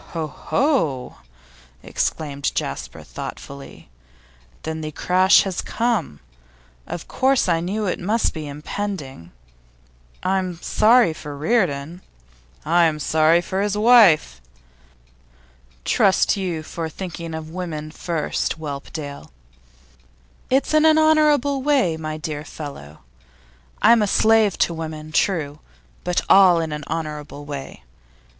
'Ho, ho!' exclaimed Jasper, thoughtfully. 'Then the crash has come. Of course I knew it must be impending. I'm sorry for Reardon.' 'I'm sorry for his wife.' 'Trust you for thinking of women first, Whelpdale.' 'It's in an honourable way, my dear fellow. I'm a slave to women, true, but all in an honourable way.